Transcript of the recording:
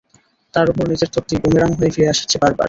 তার ওপর নিজের তত্ত্বই বুমেরাং হয়ে ফিরে আসছে বারবার।